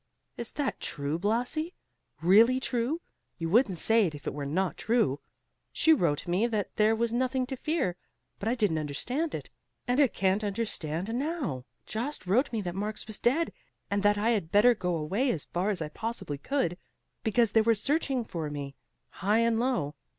"Is that true, Blasi, really true? You wouldn't say it if it were not true? She wrote me that there was nothing to fear; but I didn't understand it. And I can't quite understand now, Jost wrote me that Marx was dead, and that I had better go away as far as I possibly could, because they were searching for me, high and low.